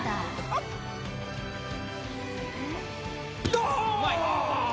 ドン！